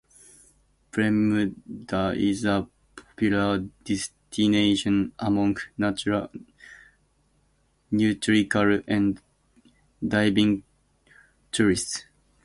Premuda is a popular destination among nautical and diving tourists.